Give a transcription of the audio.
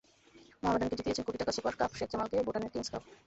মোহামেডানকে জিতিয়েছেন কোটি টাকার সুপার কাপ, শেখ জামালকে ভুটানের কিংস কাপ।